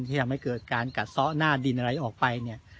ที่ทำให้เกิดการกัดซ้อหน้าดินอะไรออกไปเนี่ย